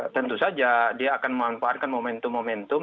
tentu saja dia akan memanfaatkan momentum momentum